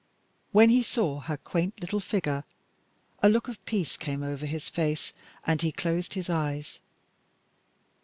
When he saw her quaint little figure, a look of peace came over his face and he closed his eyes.